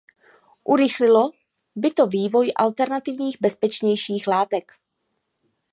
Urychlilo by to vývoj alternativních bezpečnějších látek.